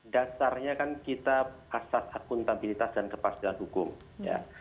dasarnya kan kita asas akuntabilitas dan kepastian hukum ya